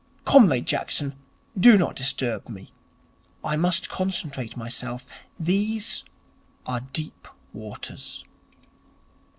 Comrade Jackson, do not disturb me. I must concentrate myself. These are deep waters.'